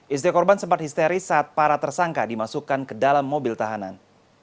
istri korban sempat histeris saat para tersangka dimasukkan ke dalam mobil tahanan